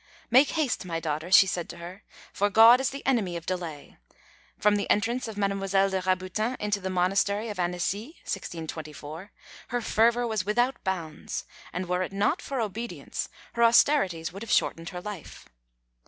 "Make haste, my daughter," she said to her, "for God is the enemy of delay." From the entrance of Mademoiselle de Rabutin into the Monastery of Annecy (1624) her fervour was without bounds, and were it not for obedience her austerities would have shortened her life.